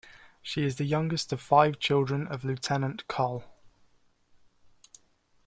She is the youngest of five children of Lt.-Col.